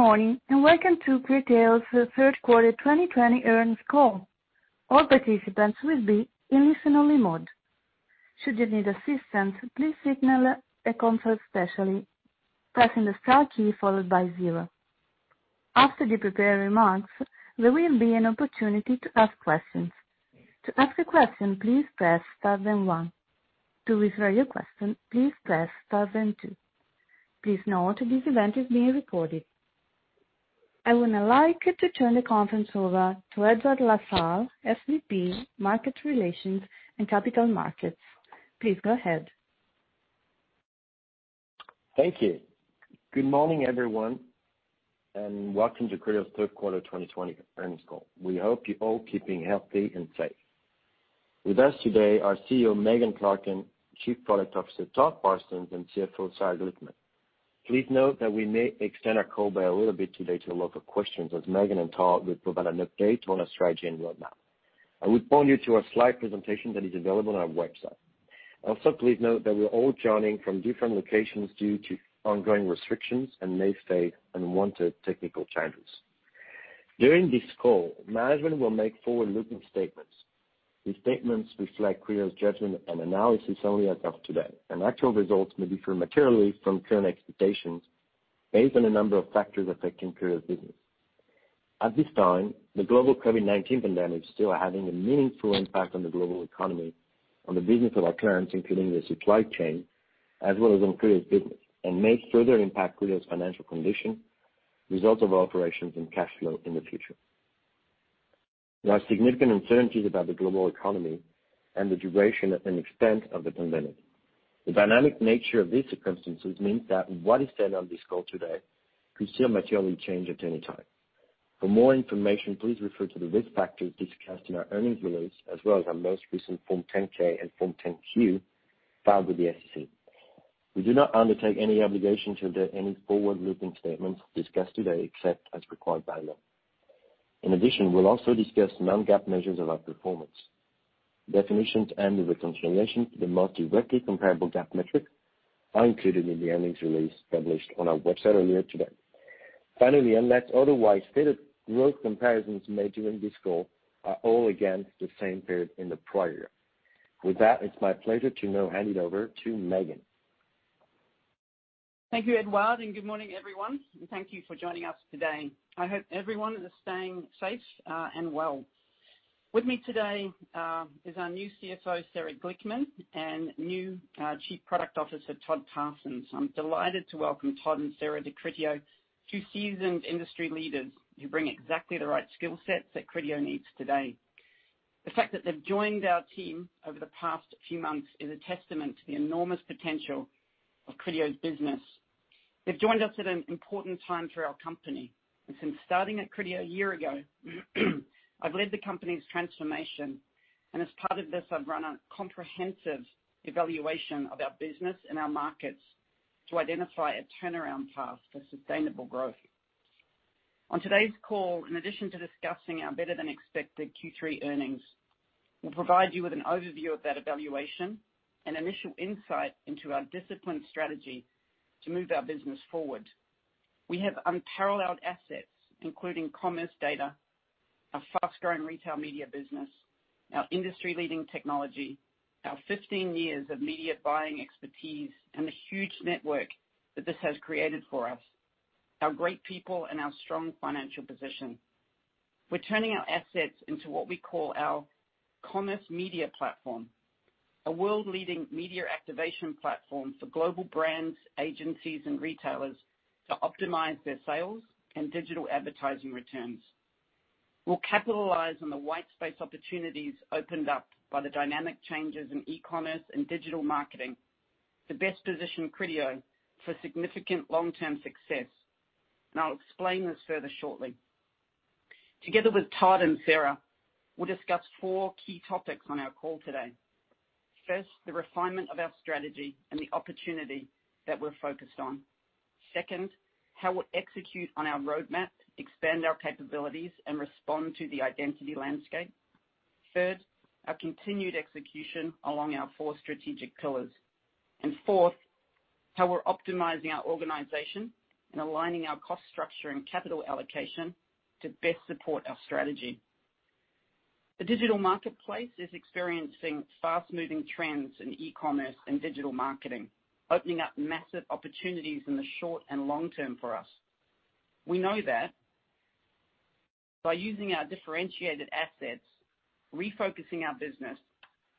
Good morning and welcome to Criteo's third quarter 2020 earnings call. All participants will be in listen-only mode. Should you need assistance, please signal a consult specialist, pressing the star key followed by zero. After the prepared remarks, there will be an opportunity to ask questions. To ask a question, please press star then one. To withdraw your question, please press star then two. Please note this event is being recorded. I would now like to turn the conference over to Edouard Lassalle, SVP, Market Relations and Capital Markets. Please go ahead. Thank you. Good morning, everyone, and welcome to Criteo's third quarter 2020 earnings call. We hope you're all keeping healthy and safe. With us today are CEO Megan Clarken, Chief Product Officer Todd Parsons, and CFO Sarah Glickman. Please note that we may extend our call by a little bit today to allow for questions, as Megan and Todd will provide an update on our strategy and roadmap. I would point you to our slide presentation that is available on our website. Also, please note that we're all joining from different locations due to ongoing restrictions and may face unwanted technical changes. During this call, management will make forward-looking statements. These statements reflect Criteo's judgment and analysis only as of today, and actual results may differ materially from current expectations based on a number of factors affecting Criteo's business. At this time, the global COVID-19 pandemic is still having a meaningful impact on the global economy, on the business of our clients, including the supply chain, as well as on Criteo's business, and may further impact Criteo's financial condition, results of operations, and cash flow in the future. There are significant uncertainties about the global economy and the duration and extent of the pandemic. The dynamic nature of these circumstances means that what is said on this call today could still materially change at any time. For more information, please refer to the risk factors discussed in our earnings release, as well as our most recent Form 10-K and Form 10-Q filed with the SEC. We do not undertake any obligation to address any forward-looking statements discussed today except as required by law. In addition, we'll also discuss non-GAAP measures of our performance. Definitions and the reconciliation to the most directly comparable GAAP metrics are included in the earnings release published on our website earlier today. Finally, unless otherwise stated, growth comparisons made during this call are all against the same period in the prior year. With that, it's my pleasure to now hand it over to Megan. Thank you, Edouard, and good morning, everyone. Thank you for joining us today. I hope everyone is staying safe and well. With me today is our new CFO, Sarah Glickman, and new Chief Product Officer, Todd Parsons. I'm delighted to welcome Todd and Sarah to Criteo, two seasoned industry leaders who bring exactly the right skill sets that Criteo needs today. The fact that they've joined our team over the past few months is a testament to the enormous potential of Criteo's business. They've joined us at an important time for our company. Since starting at Criteo a year ago, I've led the company's transformation, and as part of this, I've run a comprehensive evaluation of our business and our markets to identify a turnaround path for sustainable growth. On today's call, in addition to discussing our better-than-expected Q3 earnings, we'll provide you with an overview of that evaluation and initial insight into our disciplined strategy to move our business forward. We have unparalleled assets, including commerce data, a Retail Media business, our industry-leading technology, our 15 years of media buying expertise, and the huge network that this has created for us, our great people, and our strong financial position. We're turning our assets into what we call our Commerce Media Platform, a world-leading media activation platform for global brands, agencies, and retailers to optimize their sales and digital advertising returns. We'll capitalize on the white space opportunities opened up by the dynamic changes in e-commerce and digital marketing to best position Criteo for significant long-term success, and I'll explain this further shortly. Together with Todd and Sarah, we'll discuss four key topics on our call today. First, the refinement of our strategy and the opportunity that we're focused on. Second, how we'll execute on our roadmap, expand our capabilities, and respond to the identity landscape. Third, our continued execution along our four strategic pillars. Fourth, how we're optimizing our organization and aligning our cost structure and capital allocation to best support our strategy. The digital marketplace is experiencing fast-moving trends in e-commerce and digital marketing, opening up massive opportunities in the short and long term for us. We know that by using our differentiated assets, refocusing our business,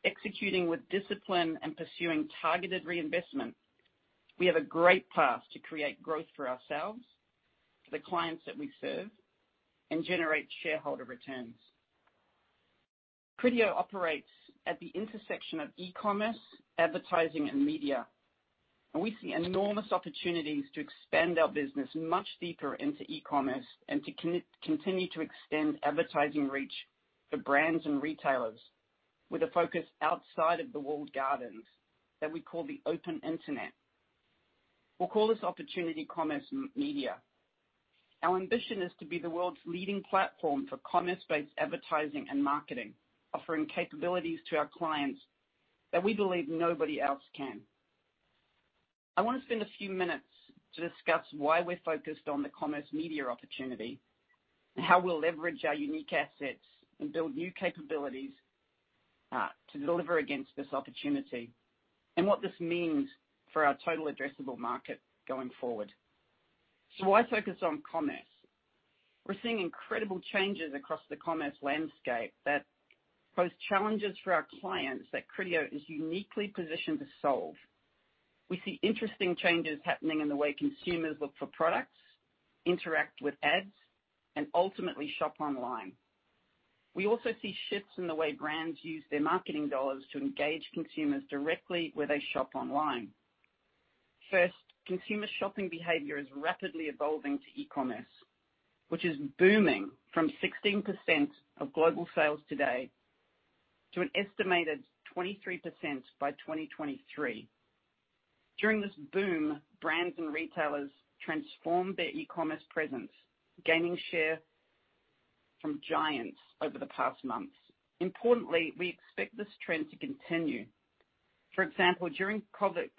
executing with discipline, and pursuing targeted reinvestment, we have a great path to create growth for ourselves, for the clients that we serve, and generate shareholder returns. Criteo operates at the intersection of e-commerce, advertising, and media, and we see enormous opportunities to expand our business much deeper into e-commerce and to continue to extend advertising reach for brands and retailers with a focus outside of the walled gardens that we call the open internet. We will call this opportunity commerce media. Our ambition is to be the world's leading platform for commerce-based advertising and marketing, offering capabilities to our clients that we believe nobody else can. I want to spend a few minutes to discuss why we're focused on the commerce media opportunity and how we'll leverage our unique assets and build new capabilities to deliver against this opportunity and what this means for our total addressable market going forward. Why focus on commerce? We're seeing incredible changes across the commerce landscape that pose challenges for our clients that Criteo is uniquely positioned to solve. We see interesting changes happening in the way consumers look for products, interact with ads, and ultimately shop online. We also see shifts in the way brands use their marketing dollars to engage consumers directly where they shop online. First, consumer shopping behavior is rapidly evolving to e-commerce, which is booming from 16% of global sales today to an estimated 23% by 2023. During this boom, brands and retailers transform their e-commerce presence, gaining share from giants over the past months. Importantly, we expect this trend to continue. For example, during COVID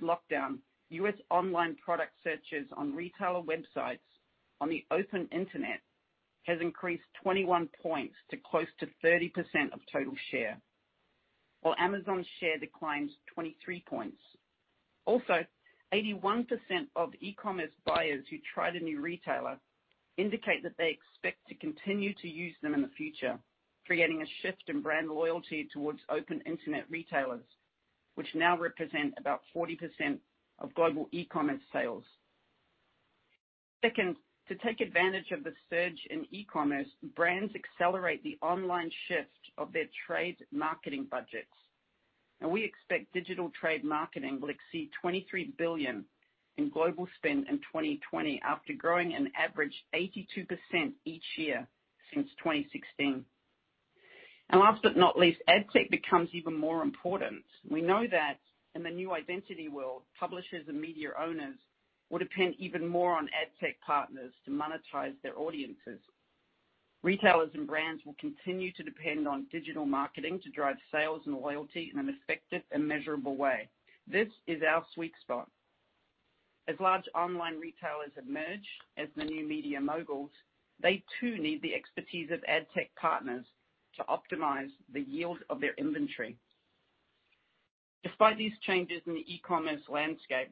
lockdown, US online product searches on retailer websites on the open internet have increased 21 percentage points to close to 30% of total share, while Amazon's share declined 23 percentage points. Also, 81% of e-commerce buyers who tried a new retailer indicate that they expect to continue to use them in the future, creating a shift in brand loyalty towards open internet retailers, which now represent about 40% of global e-commerce sales. Second, to take advantage of the surge in e-commerce, brands accelerate the online shift of their trade marketing budgets. Now, we expect digital trade marketing will exceed $23 billion in global spend in 2020 after growing an average 82% each year since 2016. Last but not least, ad tech becomes even more important. We know that in the new identity world, publishers and media owners will depend even more on ad tech partners to monetize their audiences. Retailers and brands will continue to depend on digital marketing to drive sales and loyalty in an effective and measurable way. This is our sweet spot. As large online retailers emerge as the new media moguls, they too need the expertise of ad tech partners to optimize the yield of their inventory. Despite these changes in the e-commerce landscape,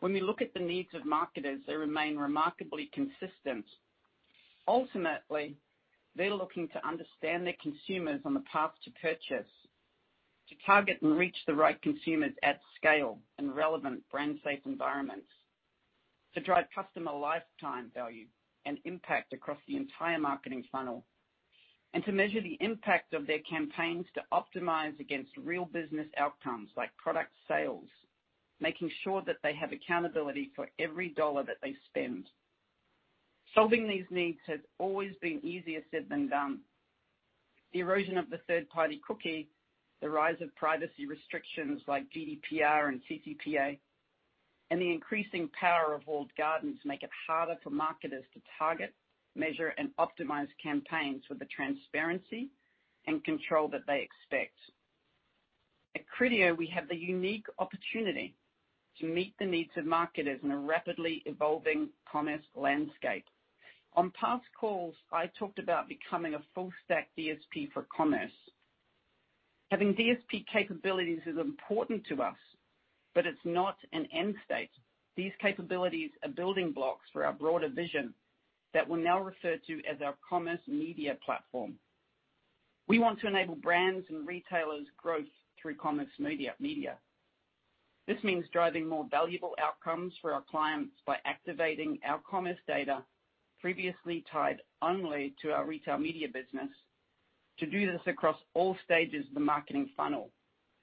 when we look at the needs of marketers, they remain remarkably consistent. Ultimately, they're looking to understand their consumers on the path to purchase, to target and reach the right consumers at scale and relevant brand-safe environments, to drive customer lifetime value and impact across the entire marketing funnel, and to measure the impact of their campaigns to optimize against real business outcomes like product sales, making sure that they have accountability for every dollar that they spend. Solving these needs has always been easier said than done. The erosion of the third-party cookie, the rise of privacy restrictions like GDPR and CCPA, and the increasing power of walled gardens make it harder for marketers to target, measure, and optimize campaigns with the transparency and control that they expect. At Criteo, we have the unique opportunity to meet the needs of marketers in a rapidly evolving commerce landscape. On past calls, I talked about becoming a full-stack DSP for commerce. Having DSP capabilities is important to us, but it's not an end state. These capabilities are building blocks for our broader vision that we'll now refer to as our Commerce Media Platform. We want to enable brands and retailers' growth through commerce media. This means driving more valuable outcomes for our clients by activating our commerce data previously tied only to Retail Media business to do this across all stages of the marketing funnel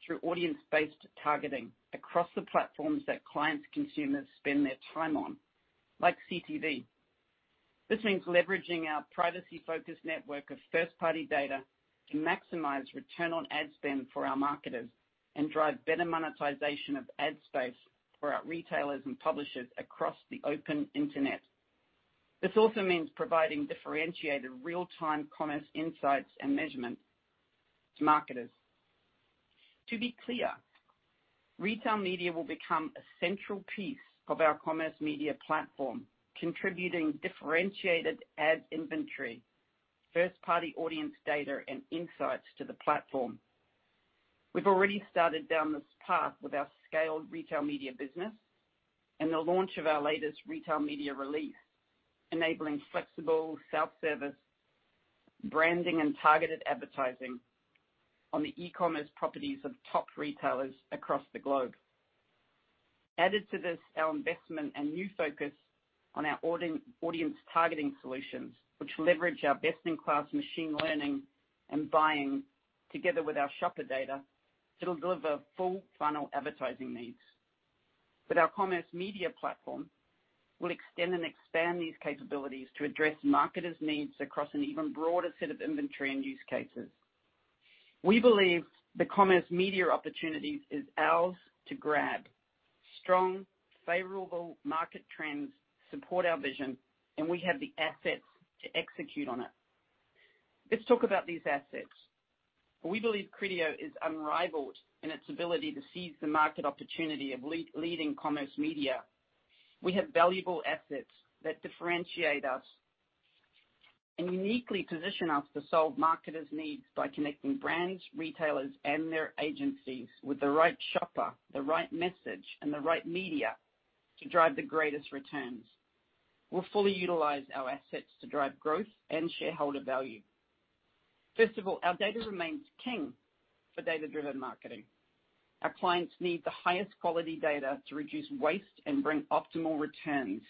through audience-based targeting across the platforms that clients' consumers spend their time on, like CTV. This means leveraging our privacy-focused network of first-party data to maximize return on ad spend for our marketers and drive better monetization of ad space for our retailers and publishers across the open internet. This also means providing differentiated real-time commerce insights and measurements to marketers. To be Retail Media will become a central piece of our Commerce Media Platform, contributing differentiated ad inventory, first-party audience data, and insights to the platform. We've already started down this path with our Retail Media business and the launch of our Retail Media release, enabling flexible self-service branding and targeted advertising on the e-commerce properties of top retailers across the globe. Added to this, our investment and new focus on our audience targeting solutions, which leverage our best-in-class machine learning and buying together with our shopper data, it'll deliver full-funnel advertising needs. With our Commerce Media Platform, we'll extend and expand these capabilities to address marketers' needs across an even broader set of inventory and use cases. We believe the commerce media opportunities are ours to grab. Strong, favorable market trends support our vision, and we have the assets to execute on it. Let's talk about these assets. We believe Criteo is unrivaled in its ability to seize the market opportunity of leading commerce media. We have valuable assets that differentiate us and uniquely position us to solve marketers' needs by connecting brands, retailers, and their agencies with the right shopper, the right message, and the right media to drive the greatest returns. We will fully utilize our assets to drive growth and shareholder value. First of all, our data remains king for data-driven marketing. Our clients need the highest quality data to reduce waste and bring optimal returns.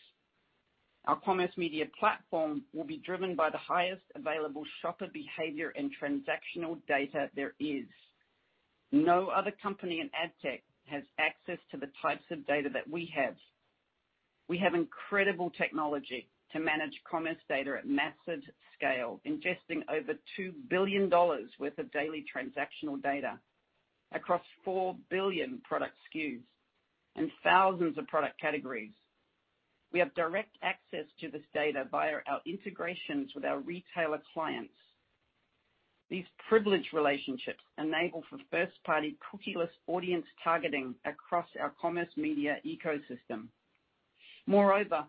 Our Commerce Media Platform will be driven by the highest available shopper behavior and transactional data there is. No other company in ad tech has access to the types of data that we have. We have incredible technology to manage commerce data at massive scale, ingesting over $2 billion worth of daily transactional data across 4 billion product SKUs and thousands of product categories. We have direct access to this data via our integrations with our retailer clients. These privileged relationships enable first-party cookieless audience targeting across our commerce media ecosystem. Moreover,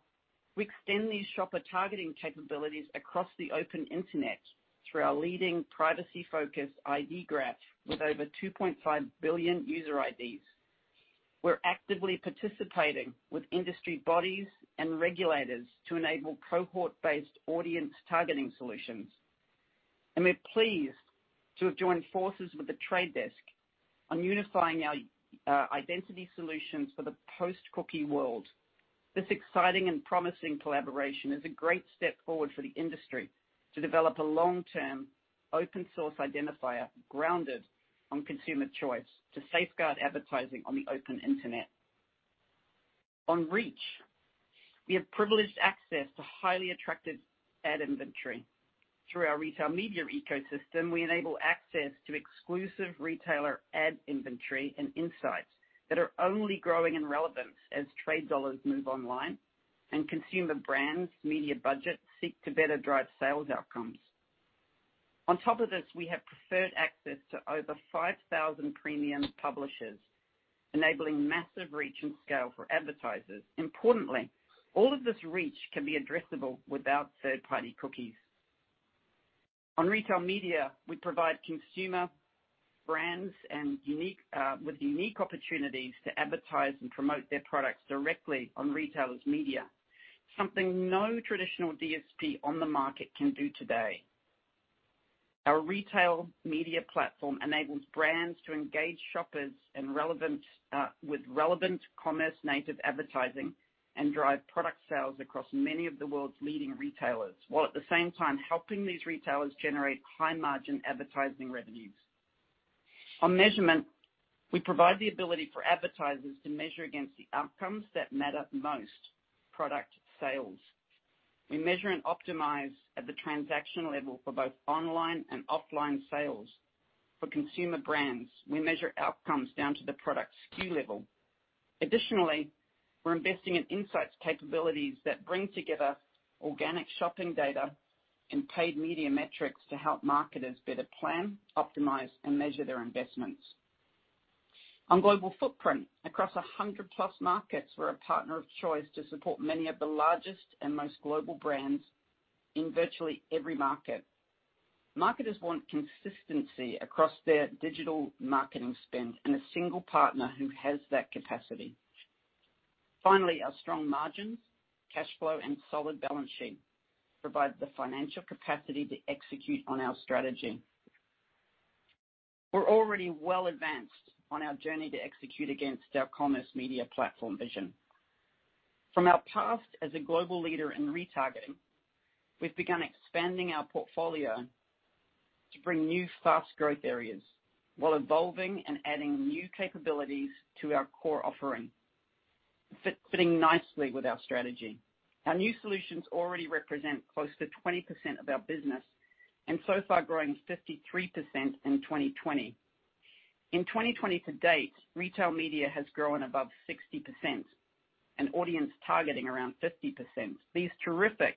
we extend these shopper targeting capabilities across the open internet through our leading privacy-focused ID graph with over 2.5 billion user IDs. We are actively participating with industry bodies and regulators to enable cohort-based audience targeting solutions, and we are pleased to have joined forces with The Trade Desk on unifying our identity solutions for the post-cookie world. This exciting and promising collaboration is a great step forward for the industry to develop a long-term open-source identifier grounded on consumer choice to safeguard advertising on the open internet. On reach, we have privileged access to highly attractive ad inventory. Through Retail Media ecosystem, we enable access to exclusive retailer ad inventory and insights that are only growing in relevance as trade dollars move online and consumer brands' media budgets seek to better drive sales outcomes. On top of this, we have preferred access to over 5,000 premium publishers, enabling massive reach and scale for advertisers. Importantly, all of this reach can be addressable without third-party cookies. Retail Media, we provide consumer brands with unique opportunities to advertise and promote their products directly on retailers' media, something no traditional DSP on the market can do today. Retail Media platform enables brands to engage shoppers with relevant commerce-native advertising and drive product sales across many of the world's leading retailers while at the same time helping these retailers generate high-margin advertising revenues. On measurement, we provide the ability for advertisers to measure against the outcomes that matter most: product sales. We measure and optimize at the transactional level for both online and offline sales. For consumer brands, we measure outcomes down to the product SKU level. Additionally, we're investing in insights capabilities that bring together organic shopping data and paid media metrics to help marketers better plan, optimize, and measure their investments. On global footprint, across 100+ markets, we're a partner of choice to support many of the largest and most global brands in virtually every market. Marketers want consistency across their digital marketing spend and a single partner who has that capacity. Finally, our strong margins, cash flow, and solid balance sheet provide the financial capacity to execute on our strategy. We're already well advanced on our journey to execute against our Commerce Media Platform vision. From our past as a global leader in retargeting, we've begun expanding our portfolio to bring new fast-growth areas while evolving and adding new capabilities to our core offering, fitting nicely with our strategy. Our new solutions already represent close to 20% of our business and so far growing 53% in 2020. In 2020 to Retail Media has grown above 60% and audience targeting around 50%. These terrific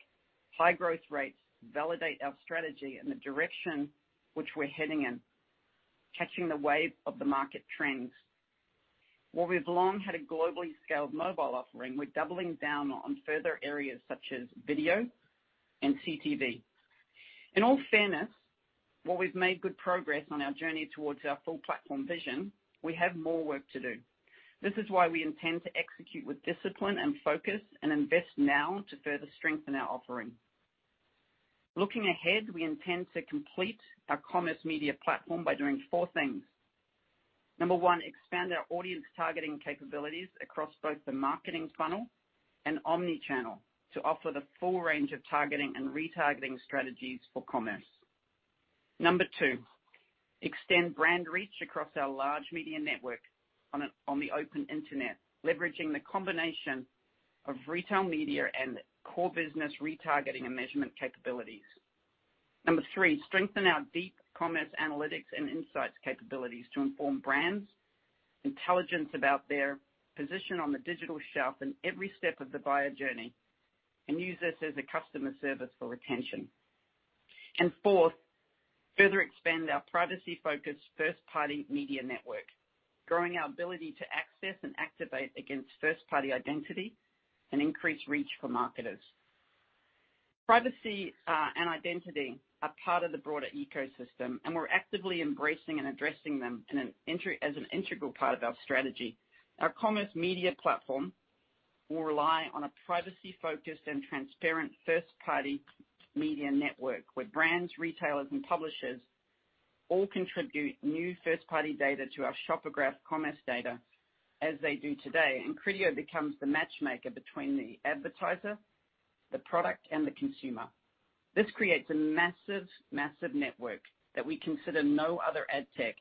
high-growth rates validate our strategy and the direction which we're heading in, catching the wave of the market trends. While we've long had a globally scaled mobile offering, we're doubling down on further areas such as video and CTV. In all fairness, while we've made good progress on our journey towards our full-platform vision, we have more work to do. This is why we intend to execute with discipline and focus and invest now to further strengthen our offering. Looking ahead, we intend to complete our Commerce Media Platform by doing four things. Number one, expand our audience targeting capabilities across both the marketing funnel and omnichannel to offer the full range of targeting and retargeting strategies for commerce. Number two, extend brand reach across our large media network on the open internet, leveraging the combination Retail Media and core business retargeting and measurement capabilities. Number three, strengthen our deep commerce analytics and insights capabilities to inform brands, intelligence about their position on the digital shelf in every step of the buyer journey, and use this as a customer service for retention. Fourth, further expand our privacy-focused first-party media network, growing our ability to access and activate against first-party identity and increase reach for marketers. Privacy and identity are part of the broader ecosystem, and we're actively embracing and addressing them as an integral part of our strategy. Our Commerce Media Platform will rely on a privacy-focused and transparent first-party media network where brands, retailers, and publishers all contribute new first-party data to our shopper graph commerce data as they do today, and Criteo becomes the matchmaker between the advertiser, the product, and the consumer. This creates a massive, massive network that we consider no other ad tech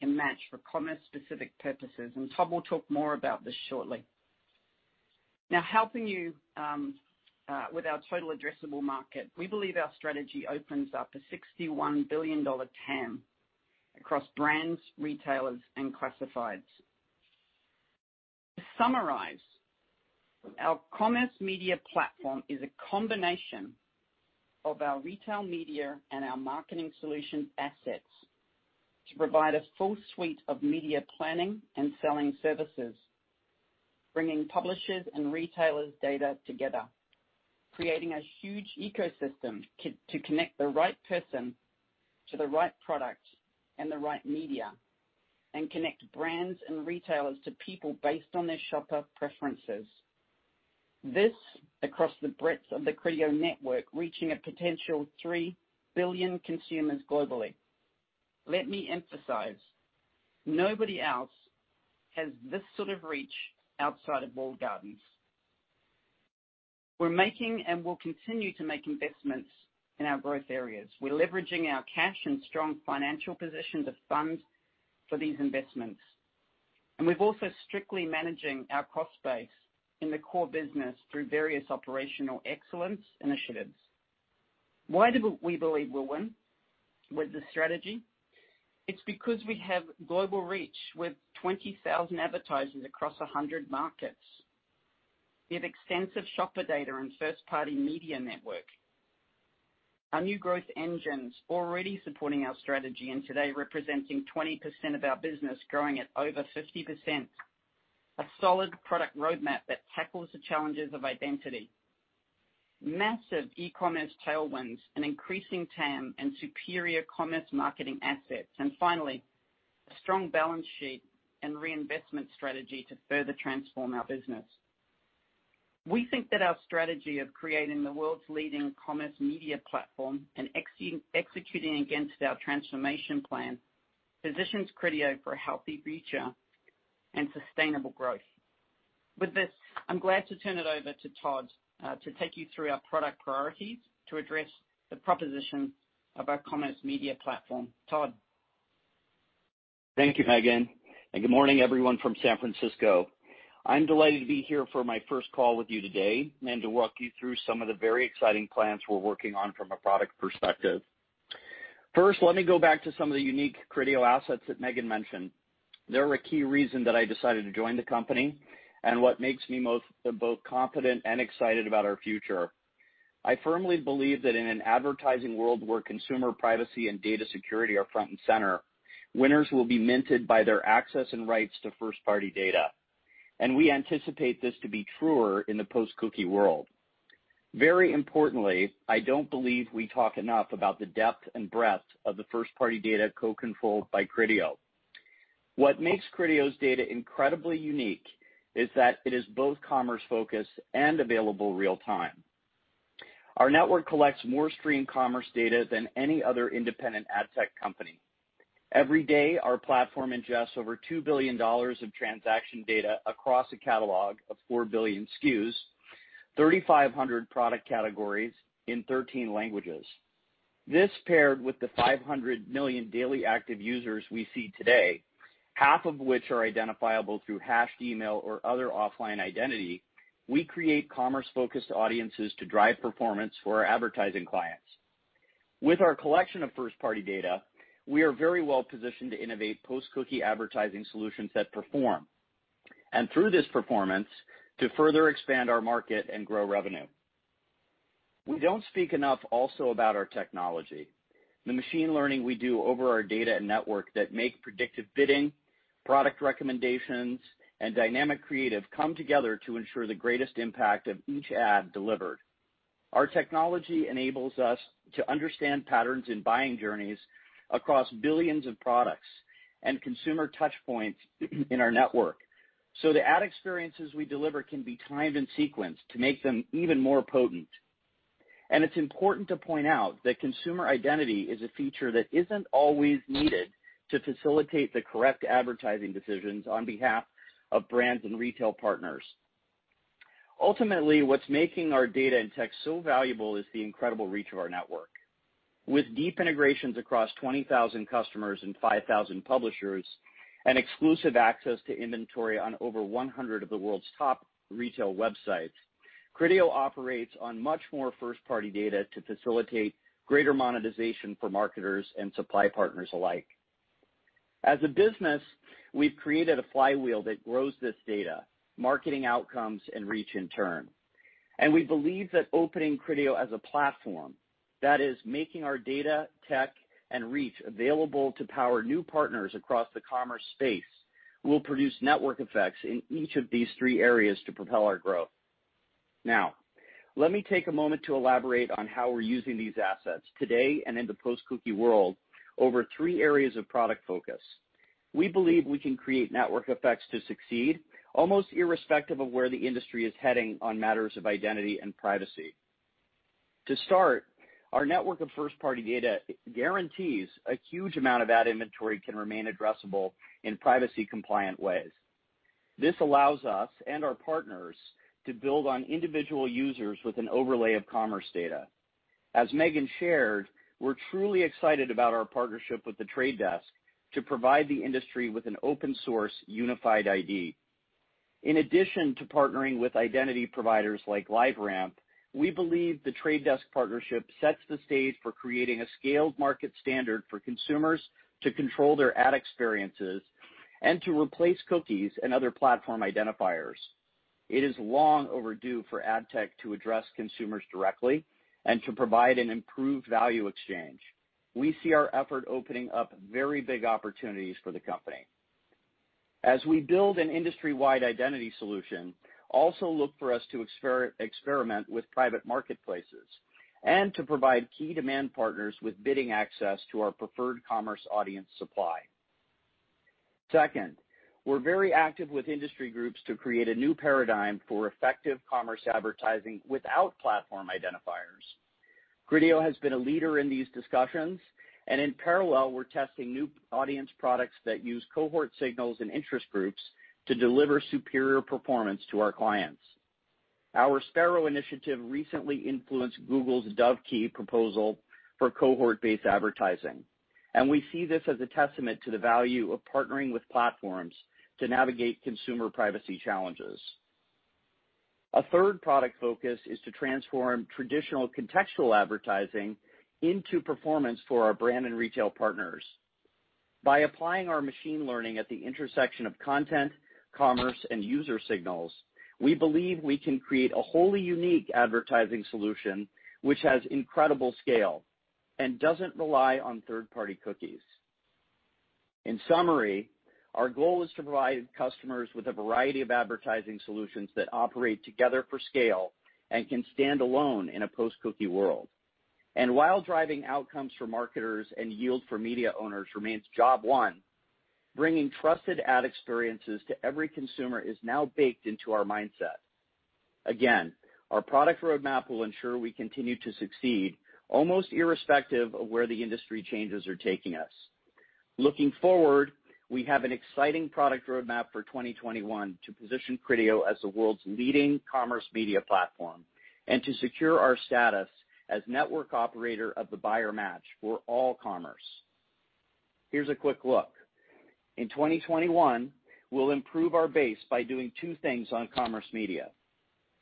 can match for commerce-specific purposes, and Todd will talk more about this shortly. Now, helping you with our total addressable market, we believe our strategy opens up a $61 billion TAM across brands, retailers, and classifieds. To summarize, our Commerce Media Platform is a combination of Retail Media and our marketing solution assets to provide a full suite of media planning and selling services, bringing publishers' and retailers' data together, creating a huge ecosystem to connect the right person to the right product and the right media, and connect brands and retailers to people based on their shopper preferences. This across the breadth of the Criteo network, reaching a potential 3 billion consumers globally. Let me emphasize, nobody else has this sort of reach outside of walled gardens. We're making and will continue to make investments in our growth areas. We're leveraging our cash and strong financial position to fund for these investments, and we've also strictly managed our cost base in the core business through various operational excellence initiatives. Why do we believe we'll win with this strategy? It's because we have global reach with 20,000 advertisers across 100 markets. We have extensive shopper data and first-party media network. Our new growth engines are already supporting our strategy and today representing 20% of our business, growing at over 50%. A solid product roadmap that tackles the challenges of identity. Massive e-commerce tailwinds and increasing TAM and superior commerce marketing assets. Finally, a strong balance sheet and reinvestment strategy to further transform our business. We think that our strategy of creating the world's leading Commerce Media Platform and executing against our transformation plan positions Criteo for a healthy future and sustainable growth. With this, I'm glad to turn it over to Todd to take you through our product priorities to address the proposition of our Commerce Media Platform. Todd. Thank you, Megan. Good morning, everyone from San Francisco. I'm delighted to be here for my first call with you today and to walk you through some of the very exciting plans we're working on from a product perspective. First, let me go back to some of the unique Criteo assets that Megan mentioned. They're a key reason that I decided to join the company and what makes me both confident and excited about our future. I firmly believe that in an advertising world where consumer privacy and data security are front and center, winners will be minted by their access and rights to first-party data. We anticipate this to be truer in the post-cookie world. Very importantly, I don't believe we talk enough about the depth and breadth of the first-party data co-controlled by Criteo. What makes Criteo's data incredibly unique is that it is both commerce-focused and available real-time. Our network collects more stream commerce data than any other independent ad tech company. Every day, our platform ingests over $2 billion of transaction data across a catalog of 4 billion SKUs, 3,500 product categories in 13 languages. This, paired with the 500 million daily active users we see today, half of which are identifiable through hashed email or other offline identity, we create commerce-focused audiences to drive performance for our advertising clients. With our collection of first-party data, we are very well positioned to innovate post-cookie advertising solutions that perform and, through this performance, to further expand our market and grow revenue. We do not speak enough also about our technology. The machine learning we do over our data and network that make predictive bidding, product recommendations, and dynamic creative come together to ensure the greatest impact of each ad delivered. Our technology enables us to understand patterns in buying journeys across billions of products and consumer touchpoints in our network so the ad experiences we deliver can be timed and sequenced to make them even more potent. It is important to point out that consumer identity is a feature that is not always needed to facilitate the correct advertising decisions on behalf of brands and retail partners. Ultimately, what is making our data and tech so valuable is the incredible reach of our network. With deep integrations across 20,000 customers and 5,000 publishers and exclusive access to inventory on over 100 of the world's top retail websites, Criteo operates on much more first-party data to facilitate greater monetization for marketers and supply partners alike. As a business, we have created a flywheel that grows this data, marketing outcomes, and reach in turn. We believe that opening Criteo as a platform, that is, making our data, tech, and reach available to power new partners across the commerce space, will produce network effects in each of these three areas to propel our growth. Now, let me take a moment to elaborate on how we're using these assets today and in the post-cookie world over three areas of product focus. We believe we can create network effects to succeed, almost irrespective of where the industry is heading on matters of identity and privacy. To start, our network of first-party data guarantees a huge amount of ad inventory can remain addressable in privacy-compliant ways. This allows us and our partners to build on individual users with an overlay of commerce data. As Megan shared, we're truly excited about our partnership with The Trade Desk to provide the industry with an open-source unified ID. In addition to partnering with identity providers like LiveRamp, we believe the Trade Desk partnership sets the stage for creating a scaled market standard for consumers to control their ad experiences and to replace cookies and other platform identifiers. It is long overdue for ad tech to address consumers directly and to provide an improved value exchange. We see our effort opening up very big opportunities for the company. As we build an industry-wide identity solution, also look for us to experiment with private marketplaces and to provide key demand partners with bidding access to our preferred commerce audience supply. Second, we're very active with industry groups to create a new paradigm for effective commerce advertising without platform identifiers. Criteo has been a leader in these discussions, and in parallel, we're testing new audience products that use cohort signals and interest groups to deliver superior performance to our clients. Our Sparrow initiative recently influenced Google's Dovekey proposal for cohort-based advertising, and we see this as a testament to the value of partnering with platforms to navigate consumer privacy challenges. A third product focus is to transform traditional contextual advertising into performance for our brand and retail partners. By applying our machine learning at the intersection of content, commerce, and user signals, we believe we can create a wholly unique advertising solution which has incredible scale and does not rely on third-party cookies. In summary, our goal is to provide customers with a variety of advertising solutions that operate together for scale and can stand alone in a post-cookie world. While driving outcomes for marketers and yield for media owners remains job one, bringing trusted ad experiences to every consumer is now baked into our mindset. Again, our product roadmap will ensure we continue to succeed, almost irrespective of where the industry changes are taking us. Looking forward, we have an exciting product roadmap for 2021 to position Criteo as the world's leading Commerce Media Platform and to secure our status as network operator of the buyer match for all commerce. Here's a quick look. In 2021, we'll improve our base by doing two things on commerce media.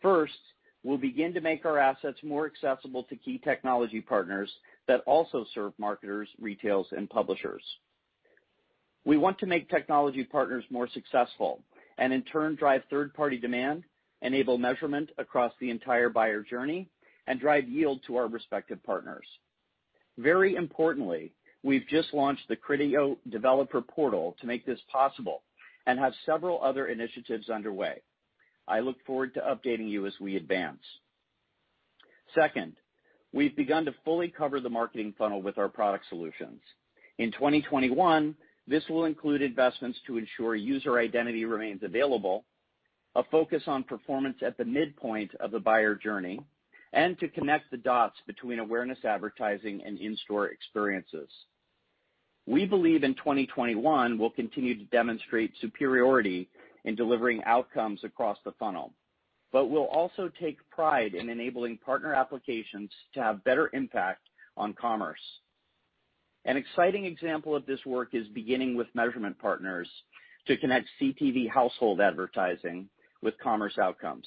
First, we'll begin to make our assets more accessible to key technology partners that also serve marketers, retailers, and publishers. We want to make technology partners more successful and, in turn, drive third-party demand, enable measurement across the entire buyer journey, and drive yield to our respective partners. Very importantly, we've just launched the Criteo Developer Portal to make this possible and have several other initiatives underway. I look forward to updating you as we advance. Second, we've begun to fully cover the marketing funnel with our product solutions. In 2021, this will include investments to ensure user identity remains available, a focus on performance at the midpoint of the buyer journey, and to connect the dots between awareness advertising and in-store experiences. We believe in 2021 we'll continue to demonstrate superiority in delivering outcomes across the funnel, but we'll also take pride in enabling partner applications to have better impact on commerce. An exciting example of this work is beginning with measurement partners to connect CTV household advertising with commerce outcomes.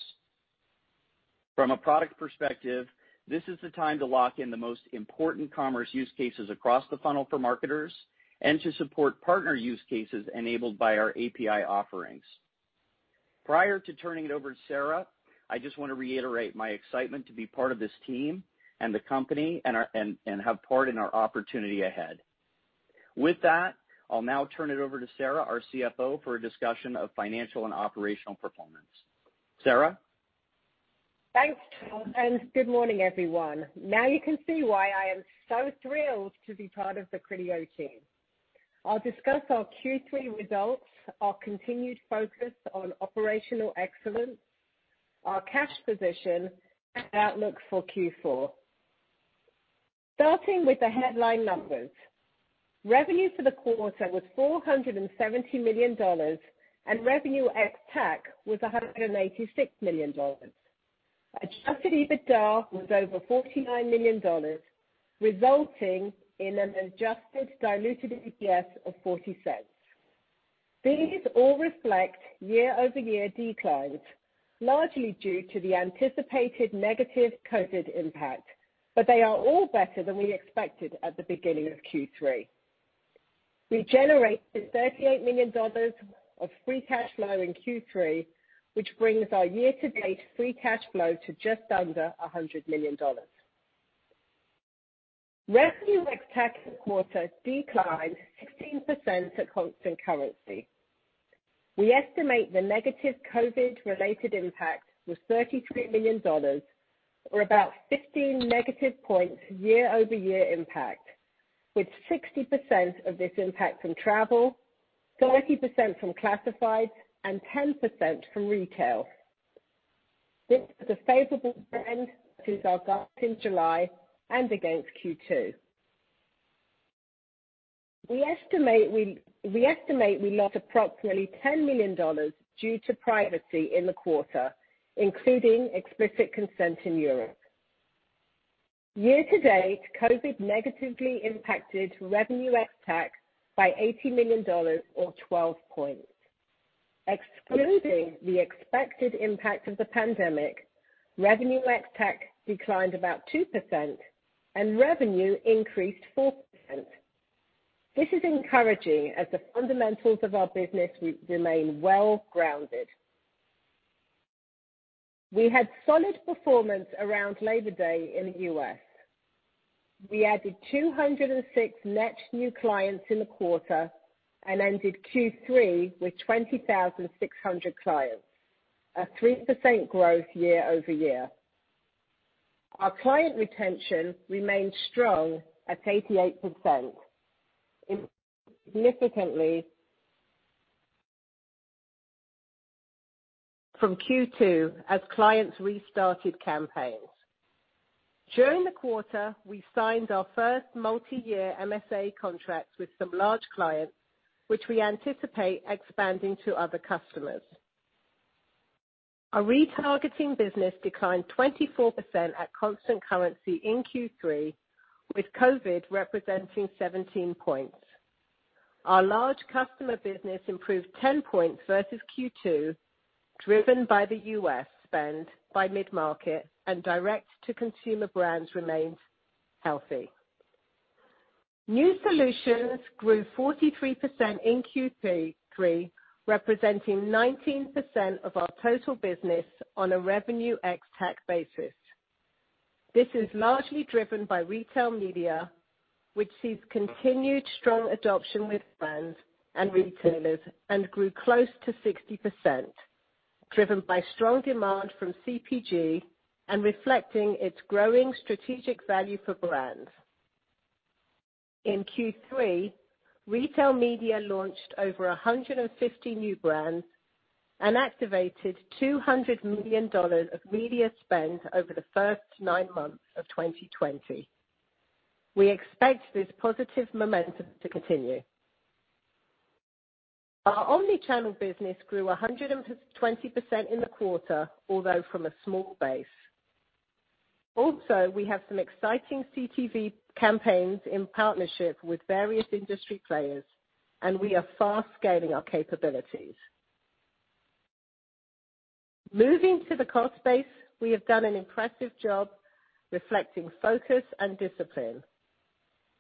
From a product perspective, this is the time to lock in the most important commerce use cases across the funnel for marketers and to support partner use cases enabled by our API offerings. Prior to turning it over to Sarah, I just want to reiterate my excitement to be part of this team and the company and have part in our opportunity ahead. With that, I'll now turn it over to Sarah, our CFO, for a discussion of financial and operational performance. Sarah? Thanks, Todd. Good morning, everyone. Now you can see why I am so thrilled to be part of the Criteo team. I'll discuss our Q3 results, our continued focus on operational excellence, our cash position, and outlook for Q4. Starting with the headline numbers. Revenue for the quarter was $470 million, and revenue ex-tax was $186 million. Adjusted EBITDA was over $49 million, resulting in an adjusted diluted EPS of $0.40. These all reflect year-over-year declines, largely due to the anticipated negative COVID impact, but they are all better than we expected at the beginning of Q3. We generated $38 million of free cash flow in Q3, which brings our year-to-date free cash flow to just under $100 million. Revenue ex-tax quarter declined 16% at constant currency. We estimate the negative COVID-related impact was $33 million, or about 15% negative year-over-year impact, with 60% of this impact from travel, 30% from classifieds, and 10% from retail. This is a favorable trend that is our gut in July and against Q2. We estimate we lost approximately $10 million due to privacy in the quarter, including explicit consent in Europe. Year-to-date, COVID negatively impacted revenue ex-tax by $80 million, or 12%. Excluding the expected impact of the pandemic, revenue ex-tax declined about 2%, and revenue increased 4%. This is encouraging as the fundamentals of our business remain well grounded. We had solid performance around Labor Day in the U.S. We added 206 net new clients in the quarter and ended Q3 with 20,600 clients, a 3% growth year-over-year. Our client retention remained strong at 88%, significantly up from Q2 as clients restarted campaigns. During the quarter, we signed our first multi-year MSA contracts with some large clients, which we anticipate expanding to other customers. Our retargeting business declined 24% at constant currency in Q3, with COVID representing 17 percentage points. Our large customer business improved 10 percentage points versus Q2, driven by the U.S. spend, while mid-market and direct-to-consumer brands remained healthy. New solutions grew 43% in Q3, representing 19% of our total business on a revenue ex-tax basis. This is largely driven Retail Media, which sees continued strong adoption with brands and retailers and grew close to 60%, driven by strong demand from CPG and reflecting its growing strategic value for brands. In Retail Media launched over 150 new brands and activated $200 million of media spend over the first nine months of 2020. We expect this positive momentum to continue. Our omnichannel business grew 120% in the quarter, although from a small base. Also, we have some exciting CTV campaigns in partnership with various industry players, and we are fast scaling our capabilities. Moving to the cost base, we have done an impressive job reflecting focus and discipline.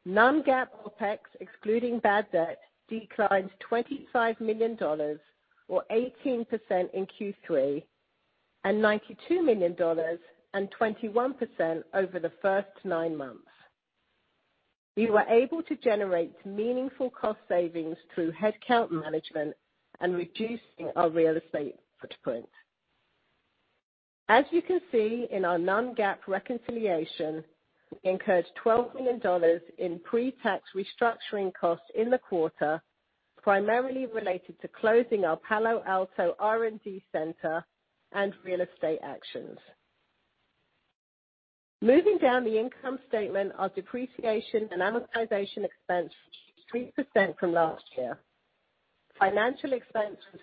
Non-GAAP OpEx, excluding bad debt, declined $25 million, or 18% in Q3, and $92 million, and 21% over the first nine months. We were able to generate meaningful cost savings through headcount management and reducing our real estate footprint. As you can see in our non-GAAP reconciliation, we incurred $12 million in pre-tax restructuring costs in the quarter, primarily related to closing our Palo Alto R&D center and real estate actions. Moving down the income statement, our depreciation and amortization expense was 3% from last year. Financial expense was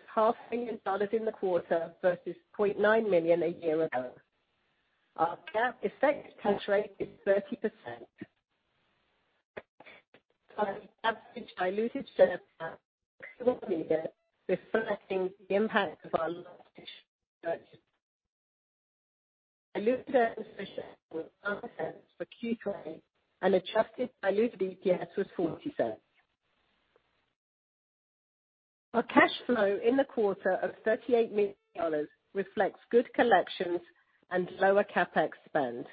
$500,000 in the quarter versus $900,000 a year ago. Our GAAP effective tax rate is 30%. We have diluted share of media reflecting the impact of our long-term diluted efficiency for Q3, and adjusted diluted EPS was $0.40. Our cash flow in the quarter of $38 million reflects good collections and lower CapEx spend.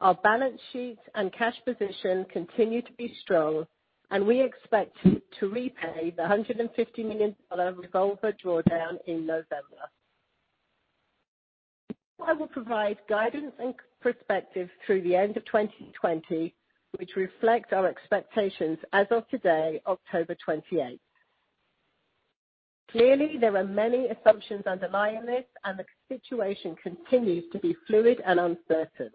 Our balance sheet and cash position continue to be strong, and we expect to repay the $150 million revolver drawdown in November. I will provide guidance and perspective through the end of 2020, which reflects our expectations as of today, October 28. Clearly, there are many assumptions underlying this, and the situation continues to be fluid and uncertain.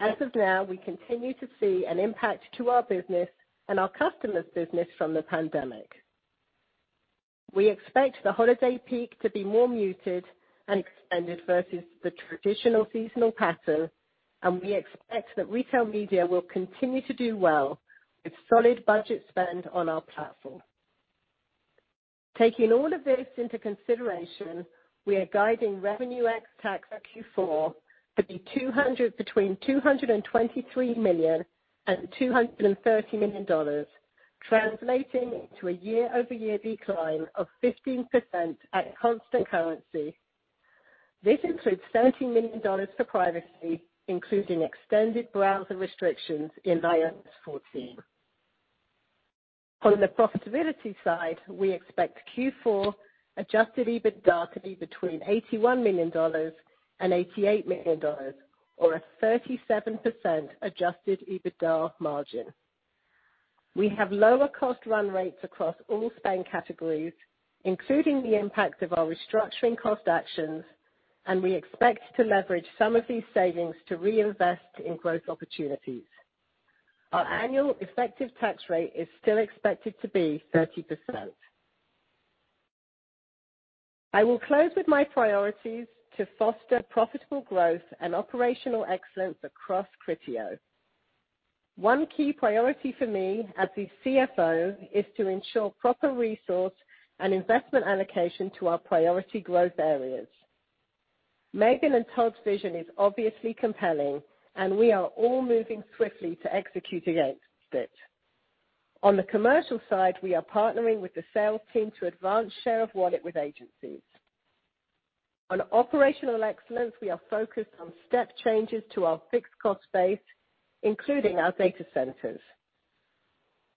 As of now, we continue to see an impact to our business and our customers' business from the pandemic. We expect the holiday peak to be more muted and extended versus the traditional seasonal pattern, and we expect Retail Media will continue to do well with solid budget spend on our platform. Taking all of this into consideration, we are guiding revenue ex-tax for Q4 to be between $223 million and $230 million, translating to a year-over-year decline of 15% at constant currency. This includes $17 million for privacy, including extended browser restrictions in iOS 14. On the profitability side, we expect Q4 adjusted EBITDA to be between $81 million and $88 million, or a 37% adjusted EBITDA margin. We have lower cost run rates across all spend categories, including the impact of our restructuring cost actions, and we expect to leverage some of these savings to reinvest in growth opportunities. Our annual effective tax rate is still expected to be 30%. I will close with my priorities to foster profitable growth and operational excellence across Criteo. One key priority for me as the CFO is to ensure proper resource and investment allocation to our priority growth areas. Megan and Todd's vision is obviously compelling, and we are all moving swiftly to execute against it. On the commercial side, we are partnering with the sales team to advance share of wallet with agencies. On operational excellence, we are focused on step changes to our fixed cost base, including our data centers.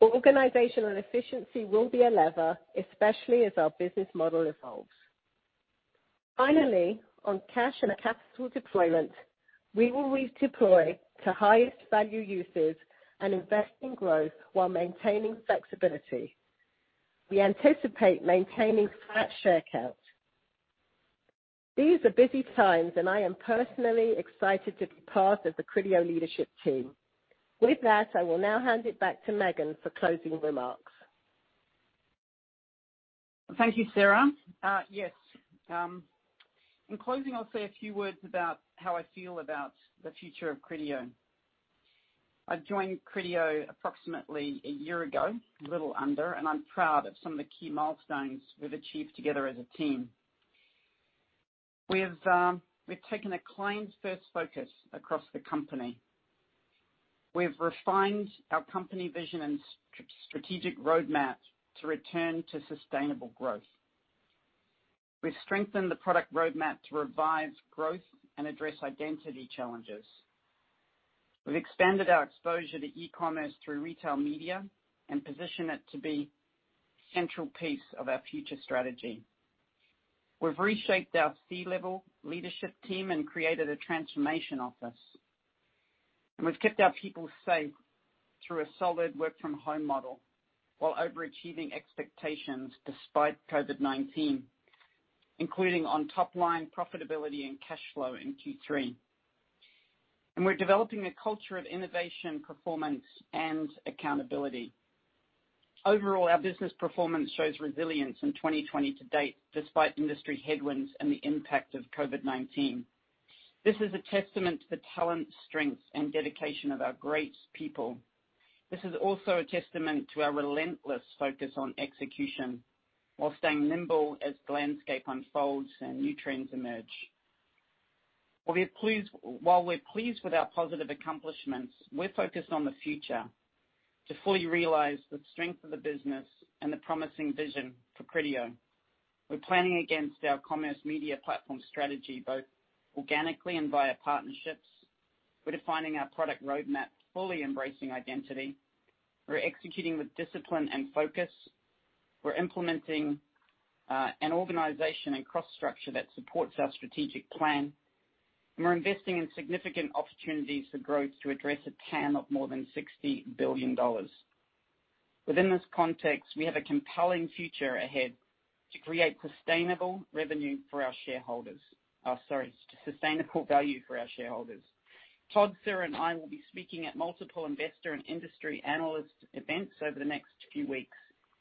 Organizational efficiency will be a lever, especially as our business model evolves. Finally, on cash and capital deployment, we will redeploy to highest value uses and invest in growth while maintaining flexibility. We anticipate maintaining flat share counts. These are busy times, and I am personally excited to be part of the Criteo leadership team. With that, I will now hand it back to Megan for closing remarks. Thank you, Sarah. Yes. In closing, I'll say a few words about how I feel about the future of Criteo. I joined Criteo approximately a year ago, a little under, and I'm proud of some of the key milestones we've achieved together as a team. We've taken a client-first focus across the company. We've refined our company vision and strategic roadmap to return to sustainable growth. We've strengthened the product roadmap to revive growth and address identity challenges. have expanded our exposure to e-commerce Retail Media and positioned it to be a central piece of our future strategy. We have reshaped our C-level leadership team and created a transformation office. We have kept our people safe through a solid work-from-home model while overachieving expectations despite COVID-19, including on top-line profitability and cash flow in Q3. We are developing a culture of innovation, performance, and accountability. Overall, our business performance shows resilience in 2020 to date, despite industry headwinds and the impact of COVID-19. This is a testament to the talent, strength, and dedication of our great people. This is also a testament to our relentless focus on execution while staying nimble as the landscape unfolds and new trends emerge. While we are pleased with our positive accomplishments, we are focused on the future to fully realize the strength of the business and the promising vision for Criteo. We're planning against our Commerce Media Platform strategy both organically and via partnerships. We're defining our product roadmap, fully embracing identity. We're executing with discipline and focus. We're implementing an organization and cross-structure that supports our strategic plan. We're investing in significant opportunities for growth to address a pan of more than $60 billion. Within this context, we have a compelling future ahead to create sustainable revenue for our shareholders—sorry, sustainable value for our shareholders. Todd, Sarah, and I will be speaking at multiple investor and industry analyst events over the next few weeks.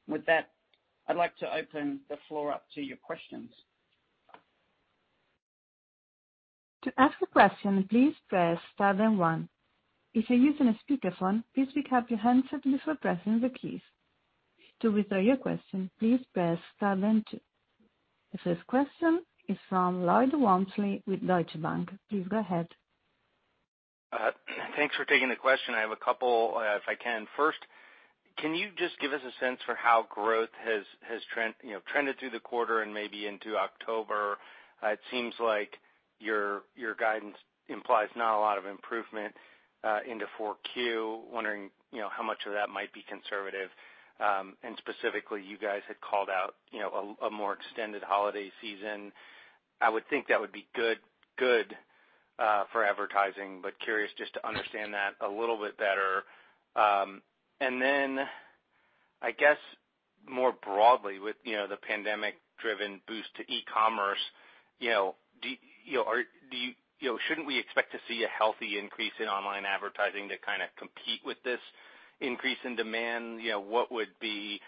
With that, I'd like to open the floor up to your questions. To ask a question, please press star then one. If you're using a speakerphone, please pick up your hands and press the keys. To withdraw your question, please press star then two. The first question is from Lloyd Walmsley with Deutsche Bank. Please go ahead. Thanks for taking the question. I have a couple if I can. First, can you just give us a sense for how growth has trended through the quarter and maybe into October? It seems like your guidance implies not a lot of improvement into 4Q. Wondering how much of that might be conservative. Specifically, you guys had called out a more extended holiday season. I would think that would be good for advertising, but curious just to understand that a little bit better. I guess more broadly, with the pandemic-driven boost to e-commerce, shouldn't we expect to see a healthy increase in online advertising to kind of compete with this increase in demand? What would be,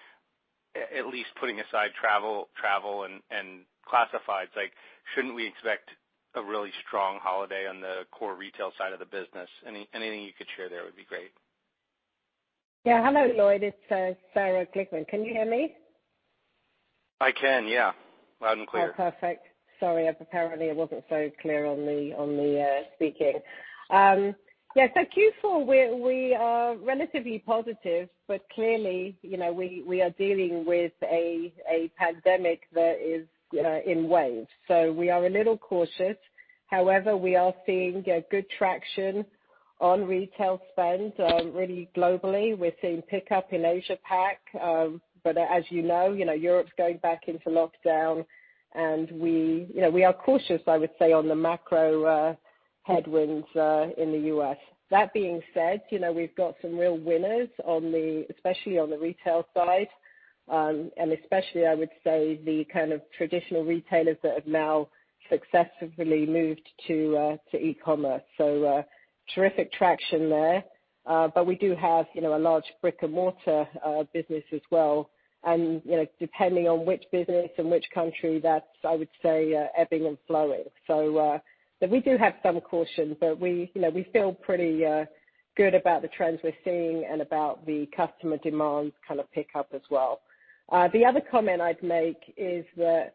at least putting aside travel and classifieds, shouldn't we expect a really strong holiday on the core retail side of the business? Anything you could share there would be great. Yeah. Hello, Lloyd. It's Sarah Glickman. Can you hear me? I can, yeah. Loud and clear. Oh, perfect. Sorry, apparently I wasn't so clear on the speaking. Yeah, Q4, we are relatively positive, but clearly we are dealing with a pandemic that is in waves. We are a little cautious. However, we are seeing good traction on retail spend really globally. We're seeing pickup in Asia-Pac, but as you know, Europe's going back into lockdown, and we are cautious, I would say, on the macro headwinds in the U.S. That being said, we've got some real winners, especially on the retail side, and especially, I would say, the kind of traditional retailers that have now successfully moved to e-commerce. Terrific traction there. We do have a large brick-and-mortar business as well. Depending on which business and which country, that's, I would say, ebbing and flowing. We do have some caution, but we feel pretty good about the trends we're seeing and about the customer demand kind of pickup as well. The other comment I'd make is that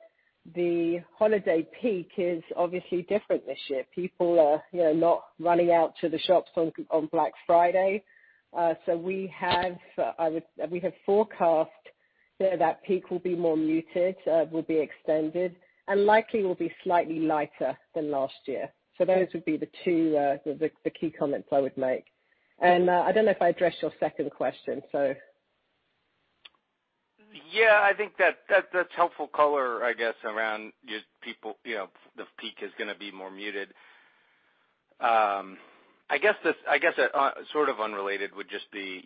the holiday peak is obviously different this year. People are not running out to the shops on Black Friday. We have forecast that that peak will be more muted, will be extended, and likely will be slightly lighter than last year. Those would be the two key comments I would make. I don't know if I addressed your second question. Yeah, I think that's helpful color, I guess, around the peak is going to be more muted. I guess sort of unrelated would just be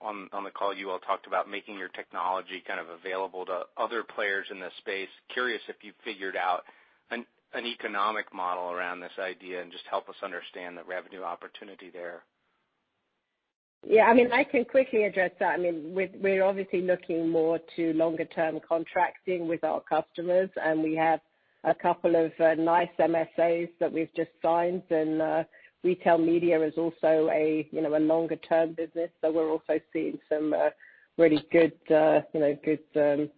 on the call, you all talked about making your technology kind of available to other players in this space. Curious if you figured out an economic model around this idea and just help us understand the revenue opportunity there. Yeah. I mean, I can quickly address that. I mean, we're obviously looking more to longer-term contracting with our customers, and we have a couple of nice MSAs that we've just Retail Media is also a longer-term business, so we're also seeing some really good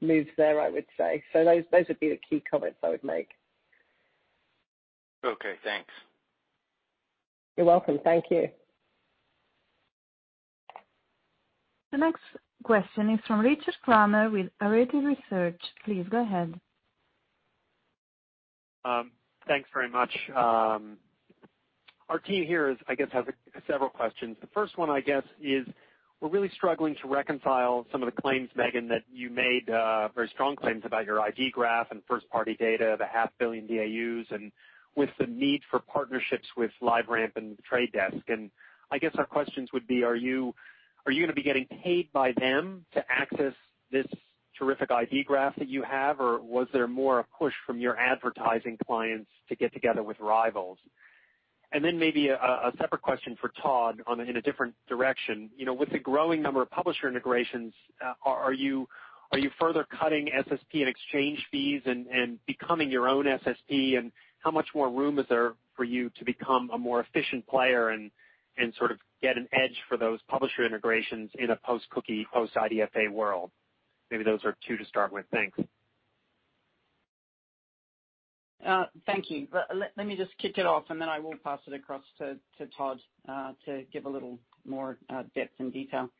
moves there, I would say. Those would be the key comments I would make. Okay. Thanks. You're welcome. Thank you. The next question is from Richard Kramer with Arete Research. Please go ahead. Thanks very much. Our team here, I guess, has several questions. The first one, I guess, is we're really struggling to reconcile some of the claims, Megan, that you made, very strong claims about your ID graph and first-party data, the half billion DAUs, and with the need for partnerships with LiveRamp and The Trade Desk. I guess our questions would be, are you going to be getting paid by them to access this terrific ID graph that you have, or was there more a push from your advertising clients to get together with rivals? Maybe a separate question for Todd in a different direction. With the growing number of publisher integrations, are you further cutting SSP and exchange fees and becoming your own SSP? How much more room is there for you to become a more efficient player and sort of get an edge for those publisher integrations in a post-cookie, post-IDFA world? Maybe those are two to start with. Thanks. Thank you. Let me just kick it off, and then I will pass it across to Todd to give a little more depth and detail.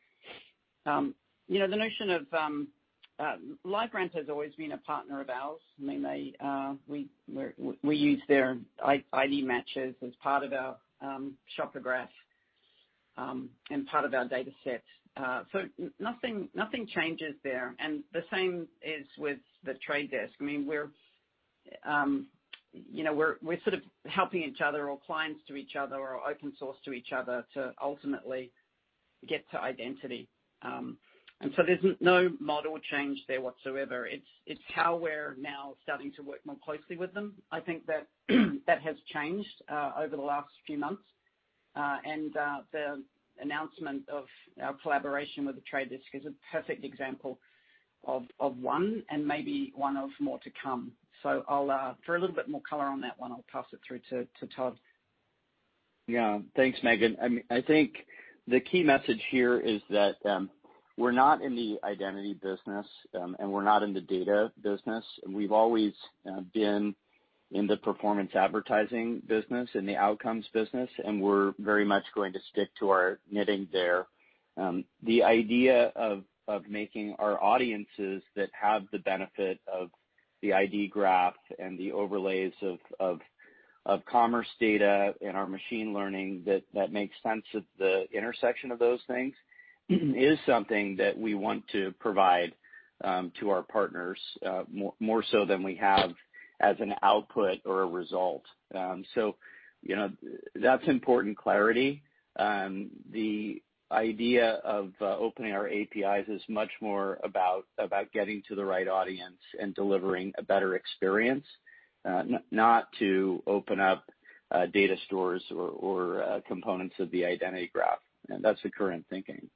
The notion of LiveRamp has always been a partner of ours. I mean, we use their ID matches as part of our shopper graph and part of our dataset. Nothing changes there. The same is with the Trade Desk. I mean, we're sort of helping each other or clients to each other or open source to each other to ultimately get to identity. There is no model change there whatsoever. It is how we are now starting to work more closely with them. I think that that has changed over the last few months. The announcement of our collaboration with The Trade Desk is a perfect example of one and maybe one of more to come. For a little bit more color on that one, I'll pass it through to Todd. Yeah. Thanks, Megan. I think the key message here is that we're not in the identity business, and we're not in the data business. We've always been in the performance advertising business and the outcomes business, and we're very much going to stick to our knitting there. The idea of making our audiences that have the benefit of the ID graph and the overlays of commerce data and our machine learning that makes sense of the intersection of those things is something that we want to provide to our partners more so than we have as an output or a result. That's important clarity. The idea of opening our APIs is much more about getting to the right audience and delivering a better experience, not to open up data stores or components of the identity graph. That is the current thinking.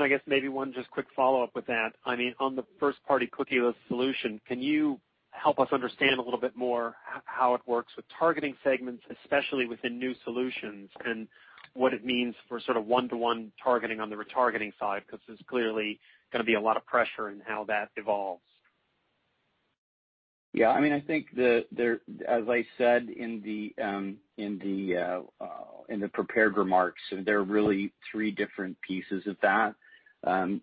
I guess maybe one just quick follow-up with that. I mean, on the first-party cookie solution, can you help us understand a little bit more how it works with targeting segments, especially within new solutions, and what it means for sort of one-to-one targeting on the retargeting side? Because there is clearly going to be a lot of pressure in how that evolves. Yeah. I mean, I think, as I said in the prepared remarks, there are really three different pieces of that. They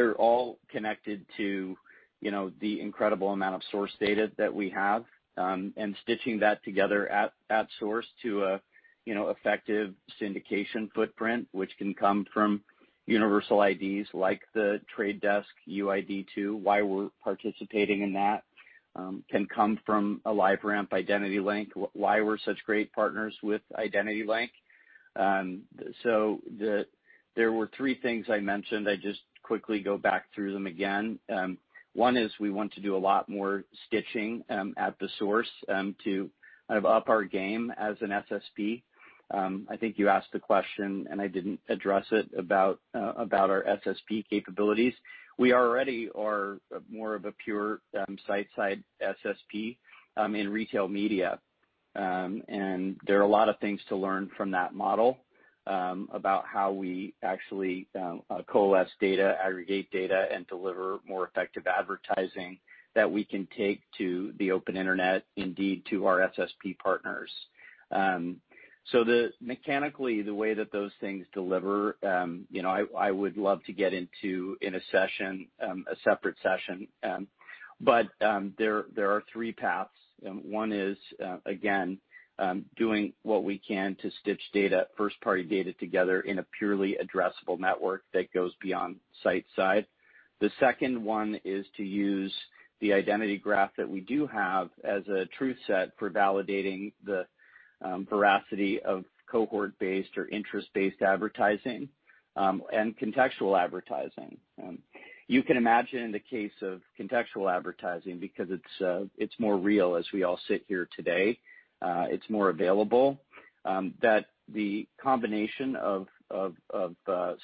are all connected to the incredible amount of source data that we have and stitching that together at source to an effective syndication footprint, which can come from universal IDs like the Trade Desk UID2, why we are participating in that, can come from a LiveRamp identity link, why we are such great partners with identity link. There were three things I mentioned. I just quickly go back through them again. One is we want to do a lot more stitching at the source to kind of up our game as an SSP. I think you asked the question, and I did not address it, about our SSP capabilities. We already are more of a pure site-side SSP in Retail Media. There are a lot of things to learn from that model about how we actually coalesce data, aggregate data, and deliver more effective advertising that we can take to the open internet, indeed to our SSP partners. Mechanically, the way that those things deliver, I would love to get into in a session, a separate session. There are three paths. One is, again, doing what we can to stitch first-party data together in a purely addressable network that goes beyond site-side. The second one is to use the identity graph that we do have as a truth set for validating the veracity of cohort-based or interest-based advertising and contextual advertising. You can imagine in the case of contextual advertising, because it's more real as we all sit here today, it's more available, that the combination of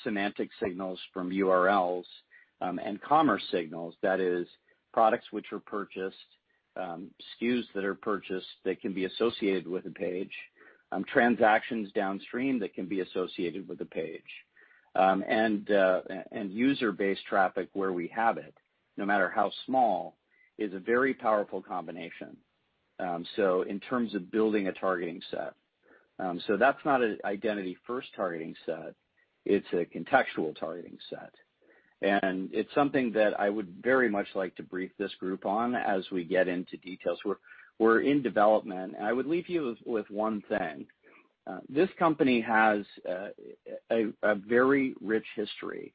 semantic signals from URLs and commerce signals, that is, products which are purchased, SKUs that are purchased that can be associated with a page, transactions downstream that can be associated with a page, and user-based traffic where we have it, no matter how small, is a very powerful combination. In terms of building a targeting set, that's not an identity-first targeting set. It's a contextual targeting set. It's something that I would very much like to brief this group on as we get into details. We're in development. I would leave you with one thing. This company has a very rich history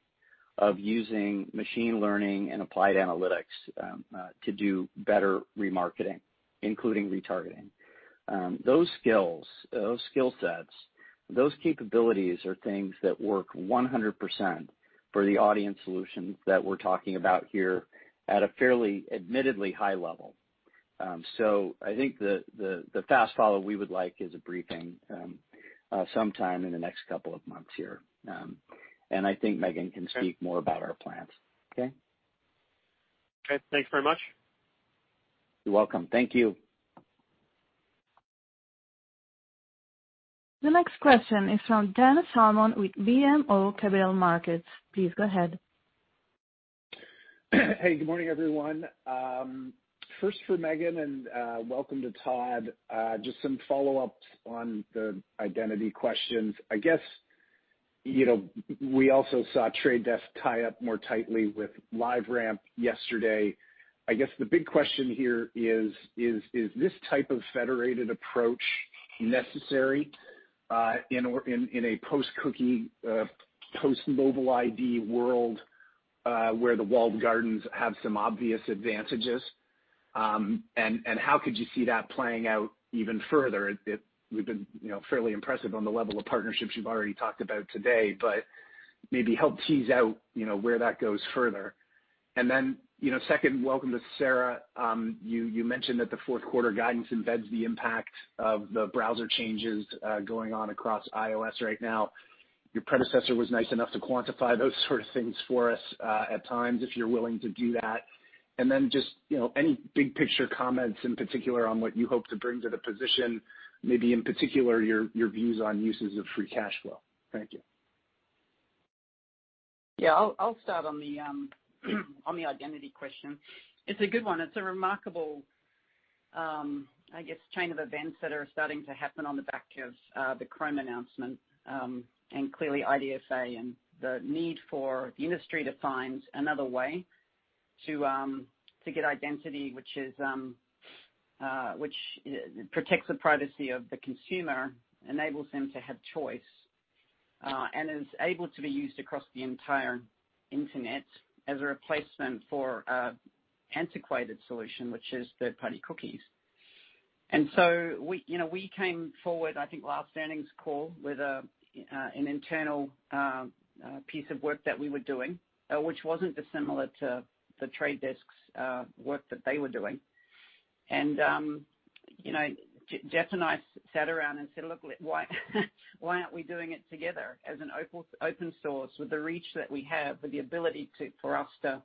of using machine learning and applied analytics to do better remarketing, including retargeting. Those skill sets, those capabilities are things that work 100% for the audience solutions that we're talking about here at a fairly, admittedly, high level. I think the fast follow-up we would like is a briefing sometime in the next couple of months here. I think Megan can speak more about our plans. Okay? Okay. Thanks very much. You're welcome. Thank you. The next question is from [Dennis Harmon] with BMO Capital Markets. Please go ahead. Hey, good morning, everyone. First for Megan, and welcome to Todd. Just some follow-ups on the identity questions. I guess we also saw Trade Desk tie up more tightly with LiveRamp yesterday. I guess the big question here is, is this type of federated approach necessary in a post-cookie, post-mobile ID world where the walled gardens have some obvious advantages? How could you see that playing out even further? We've been fairly impressive on the level of partnerships you've already talked about today, but maybe help tease out where that goes further. Second, welcome to Sarah. You mentioned that the fourth quarter guidance embeds the impact of the browser changes going on across iOS right now. Your predecessor was nice enough to quantify those sort of things for us at times, if you're willing to do that. Just any big picture comments in particular on what you hope to bring to the position, maybe in particular your views on uses of free cash flow. Thank you. Yeah. I'll start on the identity question. It's a good one. It's a remarkable, I guess, chain of events that are starting to happen on the back of the Chrome announcement and clearly IDFA and the need for the industry to find another way to get identity, which protects the privacy of the consumer, enables them to have choice, and is able to be used across the entire internet as a replacement for an antiquated solution, which is third-party cookies. We came forward, I think, last earnings call with an internal piece of work that we were doing, which wasn't dissimilar to the Trade Desk's work that they were doing. Jeff and I sat around and said, "Look, why aren't we doing it together as an open source with the reach that we have, with the ability for us to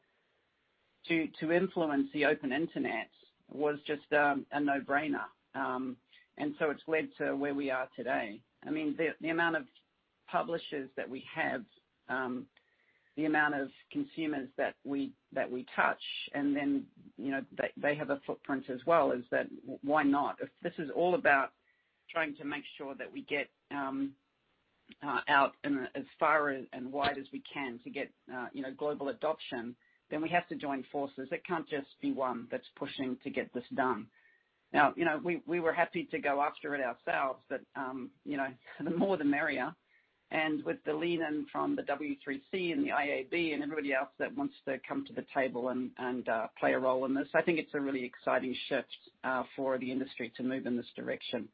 influence the open internet?" It was just a no-brainer. It's led to where we are today. I mean, the amount of publishers that we have, the amount of consumers that we touch, and then they have a footprint as well, is that why not? If this is all about trying to make sure that we get out as far and wide as we can to get global adoption, we have to join forces. It cannot just be one that is pushing to get this done. Now, we were happy to go after it ourselves, the more, the merrier. With the lean-in from the W3C and the IAB and everybody else that wants to come to the table and play a role in this, I think it is a really exciting shift for the industry to move in this direction.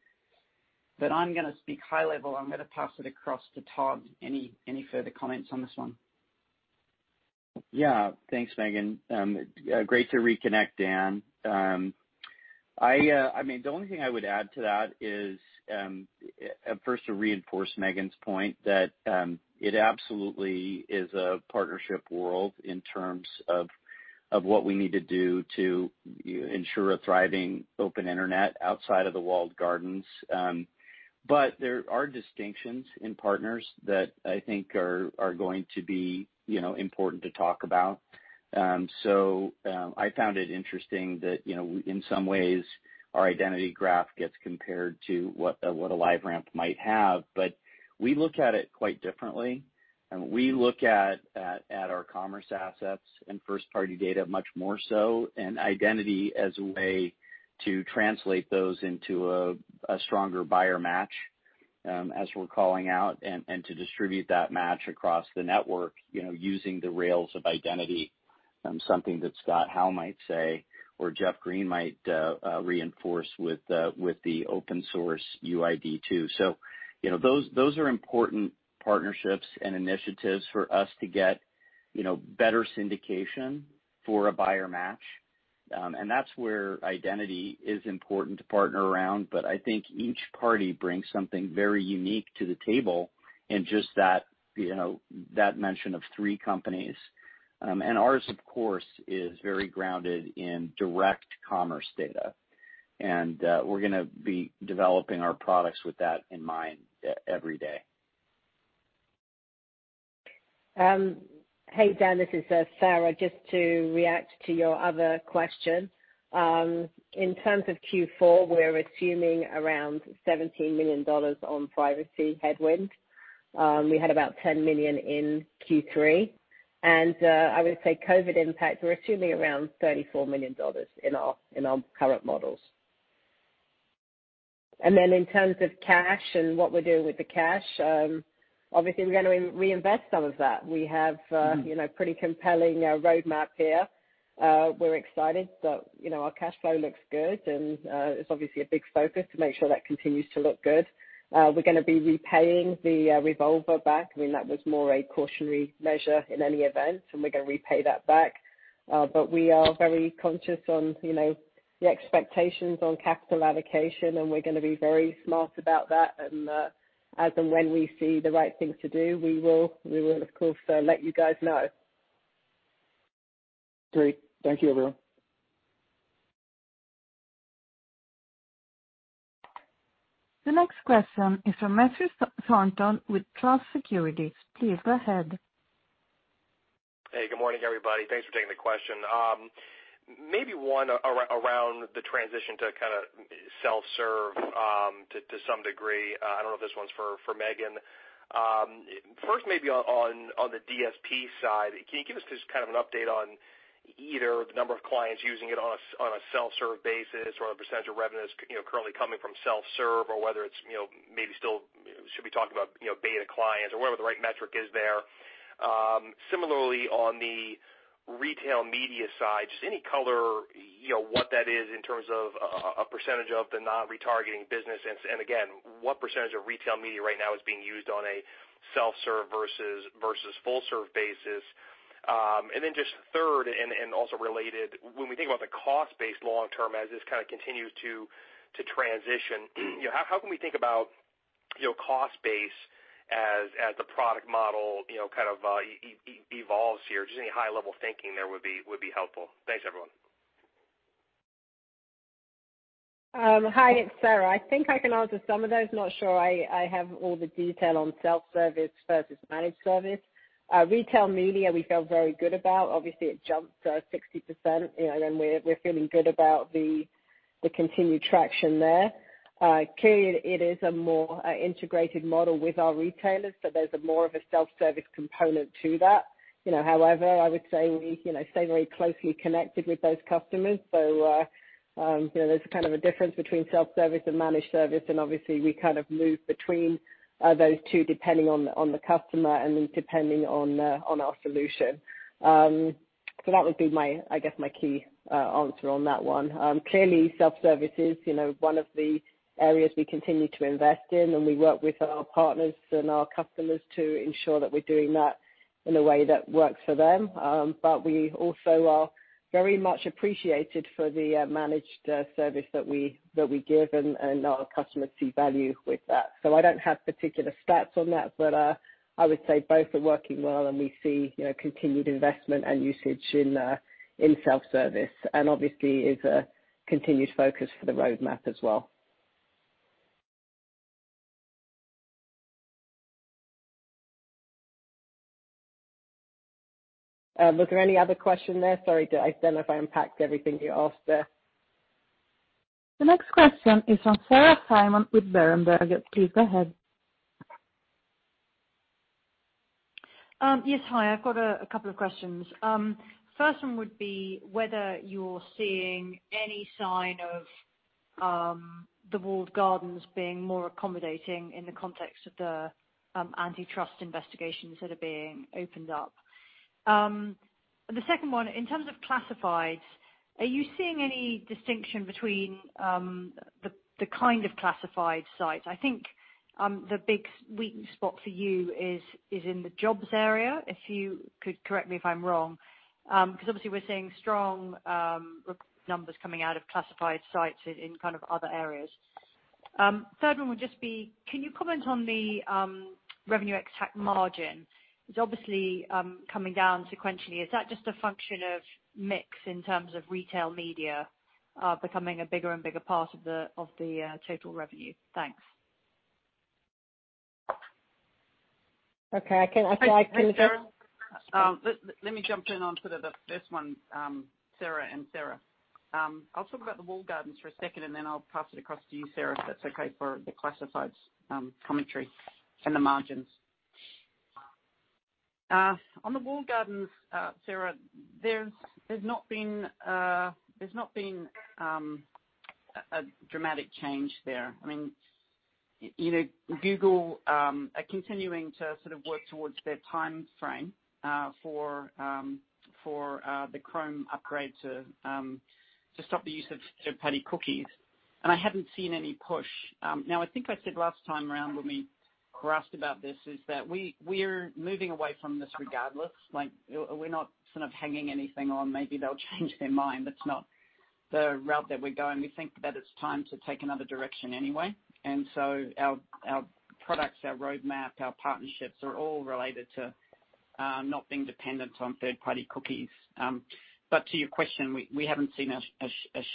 I am going to speak high level. I am going to pass it across to Todd. Any further comments on this one? Yeah. Thanks, Megan. Great to reconnect, Dan. I mean, the only thing I would add to that is, first, to reinforce Megan's point, that it absolutely is a partnership world in terms of what we need to do to ensure a thriving open internet outside of the walled gardens. There are distinctions in partners that I think are going to be important to talk about. I found it interesting that in some ways, our identity graph gets compared to what a LiveRamp might have. We look at it quite differently. We look at our commerce assets and first-party data much more so and identity as a way to translate those into a stronger buyer match as we're calling out and to distribute that match across the network using the rails of identity, something that Scott Howe might say or Jeff Green might reinforce with the open source UID2. Those are important partnerships and initiatives for us to get better syndication for a buyer match. That is where identity is important to partner around. I think each party brings something very unique to the table in just that mention of three companies. Ours, of course, is very grounded in direct commerce data. We are going to be developing our products with that in mind every day. Hey, Dan, this is Sarah. Just to react to your other question. In terms of Q4, we are assuming around $17 million on privacy headwind. We had about $10 million in Q3. I would say COVID impact, we are assuming around $34 million in our current models. In terms of cash and what we are doing with the cash, obviously, we are going to reinvest some of that. We have a pretty compelling roadmap here. We're excited that our cash flow looks good. It's obviously a big focus to make sure that continues to look good. We're going to be repaying the revolver back. I mean, that was more a cautionary measure in any event, and we're going to repay that back. We are very conscious of the expectations on capital allocation, and we're going to be very smart about that. As and when we see the right things to do, we will, of course, let you guys know. Great. Thank you, everyone. The next question is from Matthew Thornton with Truist Securities. Please go ahead. Hey, good morning, everybody. Thanks for taking the question. Maybe one around the transition to kind of self-serve to some degree. I don't know if this one's for Megan. First, maybe on the DSP side, can you give us just kind of an update on either the number of clients using it on a self-serve basis or the percentage of revenues currently coming from self-serve or whether it's maybe still should be talking about beta clients or whatever the right metric is there? Similarly, on Retail Media side, just any color, what that is in terms of a percentage of the non-retargeting business. Again, what percentage Retail Media right now is being used on a self-serve versus full-serve basis? Third and also related, when we think about the cost-based long-term as this kind of continues to transition, how can we think about cost-based as the product model kind of evolves here? Just any high-level thinking there would be helpful. Thanks, everyone. Hi, it's Sarah. I think I can answer some of those. Not sure I have all the detail on self-service versus managed Retail Media, we feel very good about. Obviously, it jumped 60%, and we're feeling good about the continued traction there. Clearly, it is a more integrated model with our retailers, so there's more of a self-service component to that. However, I would say we stay very closely connected with those customers. There's kind of a difference between self-service and managed service. Obviously, we kind of move between those two depending on the customer and depending on our solution. That would be, I guess, my key answer on that one. Clearly, self-service is one of the areas we continue to invest in, and we work with our partners and our customers to ensure that we're doing that in a way that works for them. We also are very much appreciated for the managed service that we give, and our customers see value with that. I do not have particular stats on that, but I would say both are working well, and we see continued investment and usage in self-service. Obviously, it is a continued focus for the roadmap as well. Was there any other question there? Sorry, I do not know if I unpacked everything you asked there. The next question is from Sarah Simon with Berenberg. Please go ahead. Yes, hi. I have got a couple of questions. First one would be whether you are seeing any sign of the walled gardens being more accommodating in the context of the antitrust investigations that are being opened up. The second one, in terms of classifieds, are you seeing any distinction between the kind of classified sites? I think the big weak spot for you is in the jobs area, if you could correct me if I'm wrong, because obviously, we're seeing strong numbers coming out of classified sites in kind of other areas. Third one would just be, can you comment on the revenue exact margin? It's obviously coming down sequentially. Is that just a function of mix in terms Retail Media becoming a bigger and bigger part of the total revenue? Thanks. Okay. I can just. Let me jump in onto this one, Sarah and Sarah. I'll talk about the walled gardens for a second, and then I'll pass it across to you, Sarah, if that's okay for the classifieds commentary and the margins. On the walled gardens, Sarah, there's not been a dramatic change there. I mean, Google are continuing to sort of work towards their timeframe for the Chrome upgrade to stop the use of third-party cookies. I haven't seen any push. I think I said last time around when we were asked about this is that we're moving away from this regardless. We're not sort of hanging anything on maybe they'll change their mind. That's not the route that we're going. We think that it's time to take another direction anyway. Our products, our roadmap, our partnerships are all related to not being dependent on third-party cookies. To your question, we haven't seen a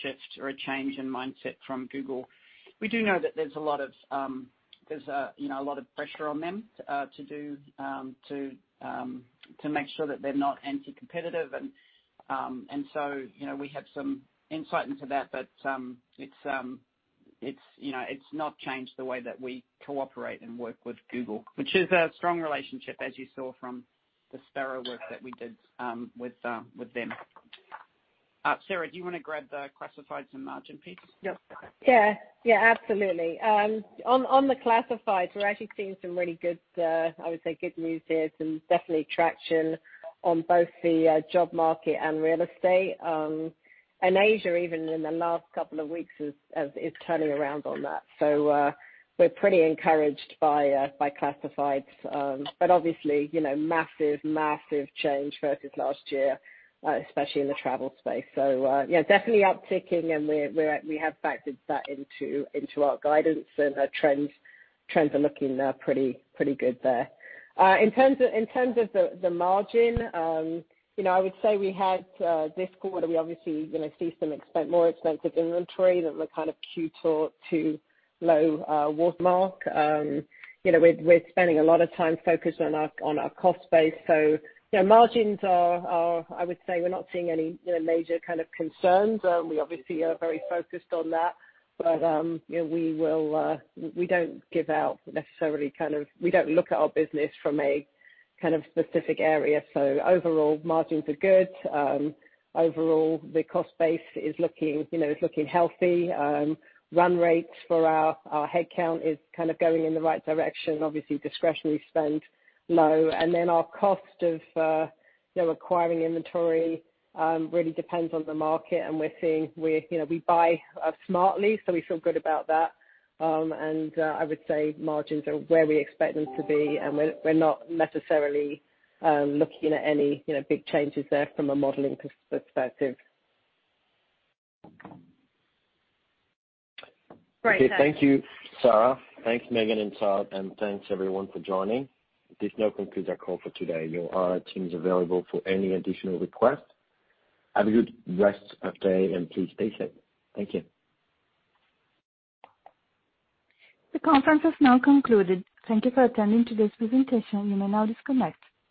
shift or a change in mindset from Google. We do know that there's a lot of pressure on them to make sure that they're not anti-competitive. We have some insight into that, but it has not changed the way that we cooperate and work with Google, which is a strong relationship, as you saw from the Sparrow work that we did with them. Sarah, do you want to grab the classifieds and margin piece? Yeah, absolutely. On the classifieds, we are actually seeing some really good, I would say, good news here, definitely traction on both the job market and real estate. Asia, even in the last couple of weeks, is turning around on that. We are pretty encouraged by classifieds. Obviously, massive, massive change versus last year, especially in the travel space. Yeah, definitely upticking, and we have factored that into our guidance, and trends are looking pretty good there. In terms of the margin, I would say we had this quarter, we obviously see some more expensive inventory than the kind of Q2 to low watermark. We're spending a lot of time focused on our cost base. So margins are, I would say, we're not seeing any major kind of concerns. We obviously are very focused on that, but we don't give out necessarily kind of we don't look at our business from a kind of specific area. So overall, margins are good. Overall, the cost base is looking healthy. Run rates for our headcount is kind of going in the right direction. Obviously, discretionary spend low. And then our cost of acquiring inventory really depends on the market, and we're seeing we buy smartly, so we feel good about that. I would say margins are where we expect them to be, and we're not necessarily looking at any big changes there from a modeling perspective. Great. Thank you, Sarah. Thanks, Megan and Todd. Thanks, everyone, for joining. This concludes our call for today. Your teams are available for any additional request. Have a good rest of the day, and please stay safe. Thank you. The conference has now concluded. Thank you for attending today's presentation. You may now disconnect.